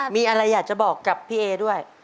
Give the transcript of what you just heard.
มีอะไรอยากจะบอกกับพี่เอด้วย